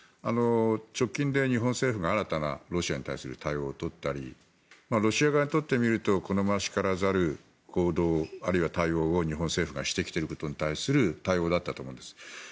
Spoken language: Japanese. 直近で日本政府がロシアに対する新たな対応を取ったりロシア側にとってみると好ましからざる行動あるいは対応を日本政府がしてきていることに対する対応だったと思うんです。